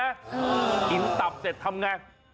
กินตับเสร็จทำไง